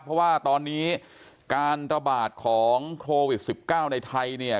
เพราะว่าตอนนี้การระบาดของโควิด๑๙ในไทยเนี่ย